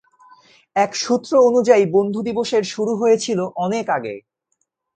এক সূত্র অনুযায়ী, বন্ধু দিবসের শুরু হয়েছিলো অনেক আগে।